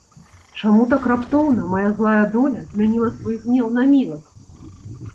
Чаму так раптоўна мая злая доля змяніла свой гнеў на міласць?